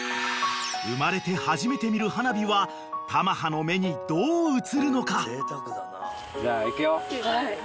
［生まれて初めて見る花火は珠葉の目にどう映るのか？］